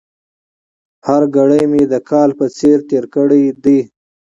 هره ګړۍ مې د کال په څېر تېره کړې ده.